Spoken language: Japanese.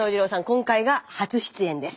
今回が初出演です。